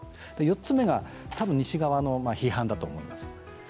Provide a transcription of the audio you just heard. ４つ目は多分、西側の批判だと思います。